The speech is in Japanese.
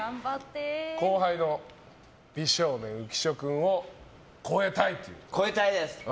後輩の美少年、浮所君を超えたいという。超えたいです！